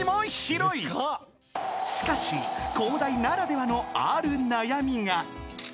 ［しかし広大ならではのある悩みが］